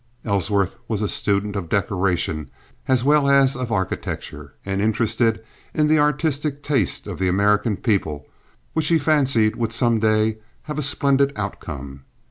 Ellsworth was a student of decoration as well as of architecture, and interested in the artistic taste of the American people, which he fancied would some day have a splendid outcome.